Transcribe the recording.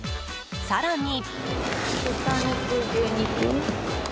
更に。